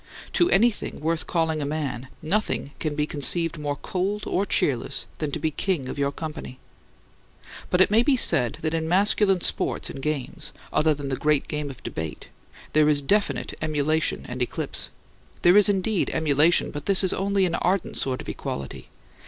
To anything worth calling a man nothing can be conceived more cold or cheerless than to be king of your company. But it may be said that in masculine sports and games, other than the great game of debate, there is definite emulation and eclipse. There is indeed emulation, but this is only an ardent sort of equality.